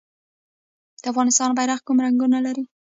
د افغانستان بیرغ کوم رنګونه لري؟